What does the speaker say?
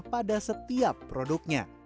pada setiap produknya